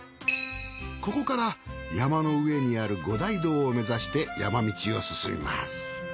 ここから山の上にある五大堂を目指して山道を進みます。